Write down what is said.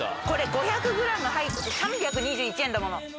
これ５００ｇ入って３２１円だもの。